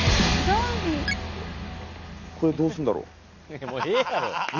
これどうするんだろう？